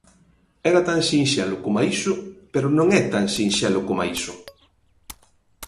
Era tan sinxelo coma iso, pero non é tan sinxelo coma iso.